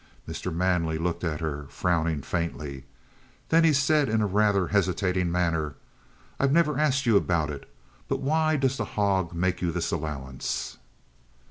Mr. Manley looked at her, frowning faintly. Then he said in a rather hesitating manner: "I've never asked you about it. But why does the hog make you this allowance?"